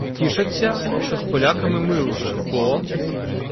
— Тішаться, що з поляками мир уже, бо.